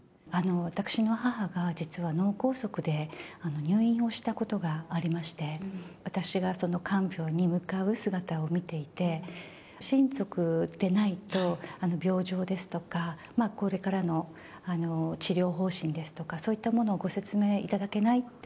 私の母が、実は脳梗塞で入院をしたことがありまして、私がその看病に向かう姿を見ていて、親族でないと、病状ですとか、これからの治療方針ですとか、そういったものをご説明いただけないって。